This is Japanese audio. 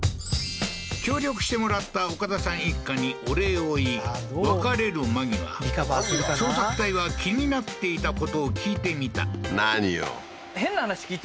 協力してもらった岡田さん一家にお礼を言い別れる間際捜索隊は気になっていた事を聞いてみた何よ？